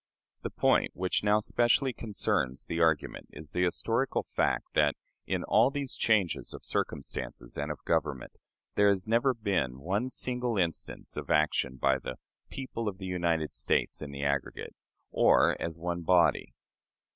The point which now specially concerns the argument is the historical fact that, in all these changes of circumstances and of government, there has never been one single instance of action by the "people of the United States in the aggregate," or as one body.